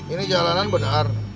ini jalanan benar